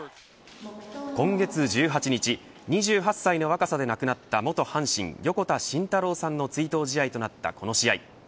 今月１８日２８歳の若さで亡くなった元阪神横田慎太郎さんの追悼試合となったこの試合。